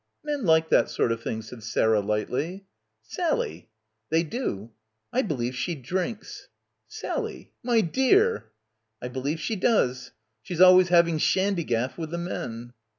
"Men like that sort of thing," said Sarah lightly. "Sally !"— SO — BACKWATER "They do. ... I believe she drinks." "Sally ! My dear!" "I believe she does. She's always having shandygaff with the men."